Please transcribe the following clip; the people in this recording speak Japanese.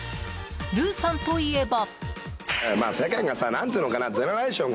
ルーさんといえば。